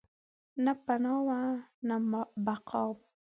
نه پناه وم ، نه بقاوم